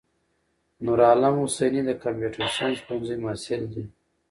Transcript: نورعالم حسیني دکمپیوټر ساینس پوهنځی محصل ده.